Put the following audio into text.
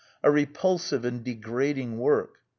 " A repulsive and degrading work."